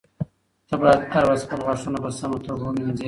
ته باید هره ورځ خپل غاښونه په سمه توګه ومینځې.